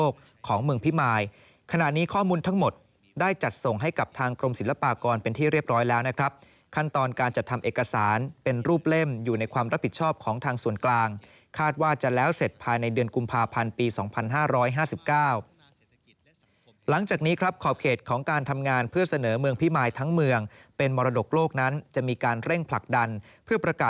หลังจากนี้ข้อมูลทั้งหมดได้จัดส่งให้กับทางกรมศิลปากรเป็นที่เรียบร้อยแล้วนะครับขั้นตอนการจัดทำเอกสารเป็นรูปเล่มอยู่ในความรับผิดชอบของทางส่วนกลางคาดว่าจะแล้วเสร็จภายในเดือนกุมภาพันธ์ปี๒๕๕๙หลังจากนี้ครับขอบเขตของการทำงานเพื่อเสนอเมืองพิมายทั้งเมืองเป็นมรดกโลกนั้นจะมีการเร่งผลักดันเพื่อประกาศ